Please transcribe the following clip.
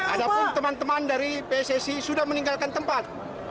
ada pun teman teman dari pssi sudah meninggalkan tempat